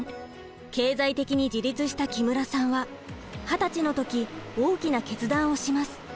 経済的に自立した木村さんは二十歳の時大きな決断をします。